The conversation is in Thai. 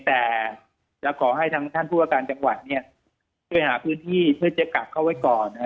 แต่จะขอให้ทางท่านผู้ว่าการจังหวัดช่วยหาพื้นที่เพื่อจะกักเข้าไว้ก่อน